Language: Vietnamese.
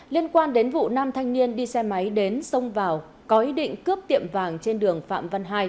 liên quan đến vụ năm thanh niên đi xe máy đến xông vào có ý định cướp tiệm vàng trên đường phạm văn hai